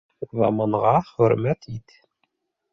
Уҙаманға хөрмәт ит.